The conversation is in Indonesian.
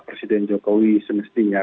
presiden jokowi semestinya